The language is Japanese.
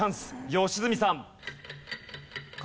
良純さん。